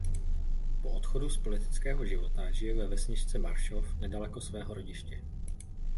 Po odchodu z politického života žije ve vesničce Maršov nedaleko svého rodiště.